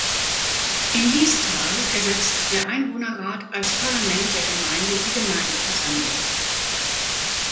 In Liestal ersetzt der Einwohnerrat als Parlament der Gemeinde die Gemeindeversammlung.